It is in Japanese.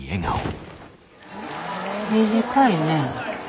短いね。